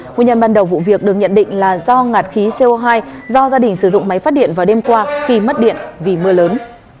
nguyên nhân ban đầu vụ việc được nhận định là do ngạt khí co hai do gia đình sử dụng máy phát điện vào đêm qua khi mất điện vì mưa lớn